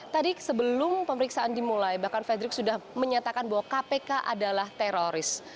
tadi sebelum pemeriksaan dimulai bahkan frederick sudah menyatakan bahwa kpk adalah teroris